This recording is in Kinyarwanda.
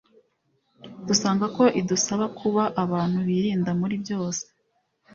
dusanga ko idusaba kuba abantu birinda muri byose.